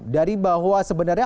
dari bahwa sebenarnya